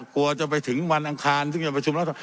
กลัวจะไปถึงวันอังคารซึ่งจะประชุมรัฐสภา